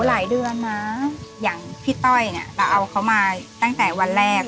หลายเดือนนะอย่างพี่ต้อยเนี่ยเราเอาเขามาตั้งแต่วันแรก